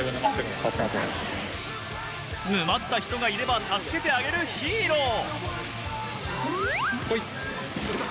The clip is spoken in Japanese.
沼った人がいれば助けてあげる、ヒーロー。